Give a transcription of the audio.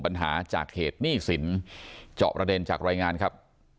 ปัญหาจากเหตุหนี้สินเจาะประเด็นจากรายงานครับ